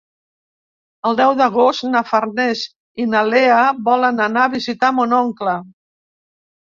El deu d'agost na Farners i na Lea volen anar a visitar mon oncle.